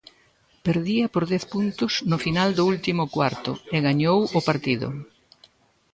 Perdía por dez puntos no final do último cuarto e gañou o partido.